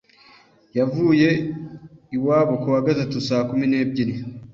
– yavuye iwabo kuwa gatatu saa kumi n’ebyiri